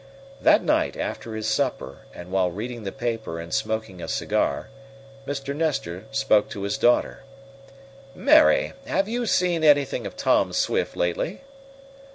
That night, after his supper and while reading the paper and smoking a cigar, Mr. Nestor spoke to his daughter. "Mary, have you seen anything of Tom Swift lately?"